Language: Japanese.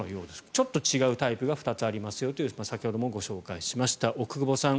ちょっと違うタイプが２つありますよという先ほどもご紹介しました奥窪さん